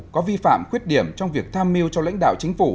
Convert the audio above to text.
có vi phạm khuyết điểm trong việc tham mưu cho lãnh đạo chính phủ